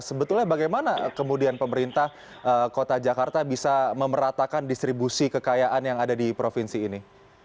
sebetulnya bagaimana kemudian pemerintah kota jakarta bisa memeratakan distribusi kekayaan yang ada di provinsi ini